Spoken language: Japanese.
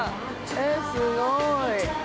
◆えっ、すごーい。